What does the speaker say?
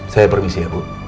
saya permisi ya ibu